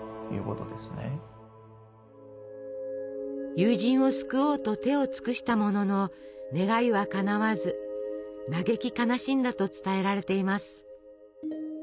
友人を救おうと手を尽くしたものの願いはかなわず嘆き悲しんだと伝えられています。